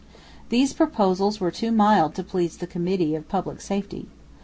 These proposals were too mild to please the Committee of Public Safety.